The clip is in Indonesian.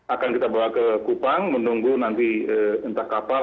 akan kita bawa ke kupang menunggu nanti entah kapal